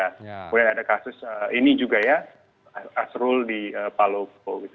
kemudian ada kasus ini juga ya asrul di palopo gitu